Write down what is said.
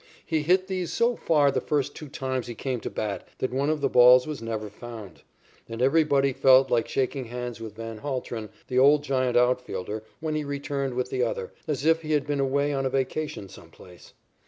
He hit these so far the first two times he came to bat that one of the balls was never found, and everybody felt like shaking hands with Van Haltren, the old Giant outfielder, when he returned with the other, as if he had been away on a vacation some place.